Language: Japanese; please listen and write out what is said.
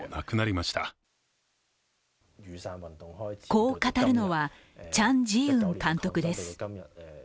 こう語るのは、チャン・ジーウン監督です。